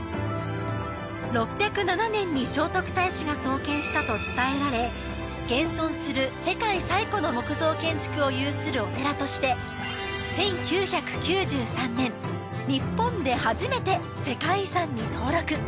６０７年に聖徳太子が創建したと伝えられ現存する世界最古の木造建築を有するお寺として１９９３年日本で初めて世界遺産に登録！